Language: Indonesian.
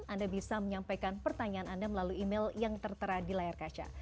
anda bisa menyampaikan pertanyaan anda melalui email yang tertera di layar kaca